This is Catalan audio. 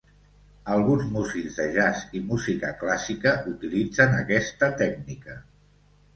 Alguns músics de jazz i música clàssica utilitzen aquesta tècnica.